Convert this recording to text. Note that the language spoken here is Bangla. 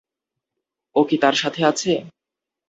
ও কি তার সাথে আছে?